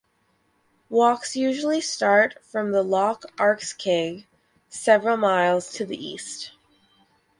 Walks usually start from Loch Arkaig several miles to the east.